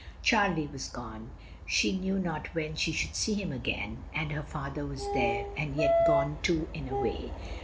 Charlie was gone, she knew not when she should see him again; and her father was there, and yet gone too in a way.